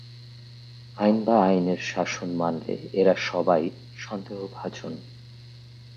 আইন বা আইনের শাসন মানলে এরা সবাই সন্দেহভাজন।